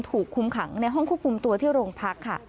ถูกคุมขังในห้องควบคุมตัวที่โรงพักค่ะ